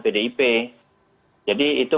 pdp jadi itu